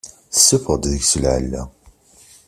Tessuffeɣ-d deg-s lɛella.